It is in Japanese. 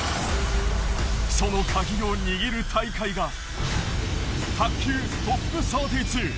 その鍵を握る大会が卓球ＴＯＰ３２。